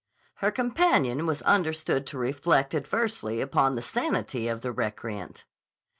Her companion was understood to reflect adversely upon the sanity of the recreant.